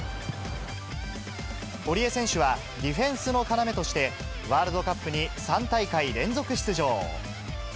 堀江選手は、ディフェンスの要として、ワールドカップに３大会連続出場。